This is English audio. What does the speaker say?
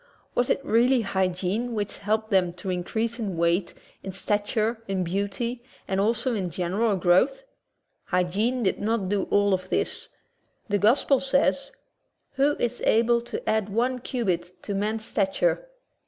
Was it really hygiene which helped them to increase in weight, in stature, in beauty, and also in general growth? Hy giene did not do all of this. The gospels say: "Who is able to add one cubit to man's stat ure?''